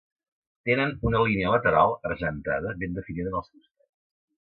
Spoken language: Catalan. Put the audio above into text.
Tenen una línia lateral argentada ben definida en els costats.